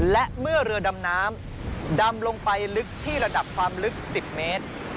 และเมื่อเรือดำน้ำดำลงไปลึกที่ระดับความลึก๑๐เมตร